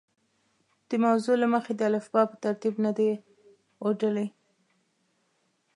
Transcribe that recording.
د موضوع له مخې د الفبا په ترتیب نه دي اوډلي.